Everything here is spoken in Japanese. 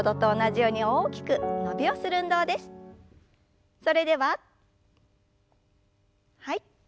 それでははい。